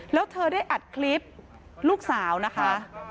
แล้วเธอได้อัดคลิปลูกสาวนะคะ